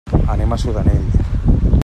Anem a Sudanell.